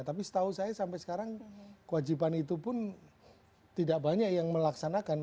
tapi setahu saya sampai sekarang kewajiban itu pun tidak banyak yang melaksanakan